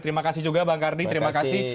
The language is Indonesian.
terima kasih juga bang kardi terima kasih